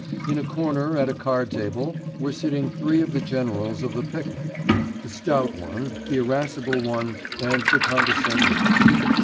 In a corner at a card table were sitting three of the generals of the picnic: the stout one, the irascible one, and the condescending one.